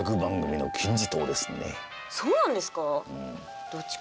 そうなんですか？